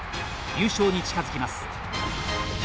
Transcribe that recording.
優勝に近づきます。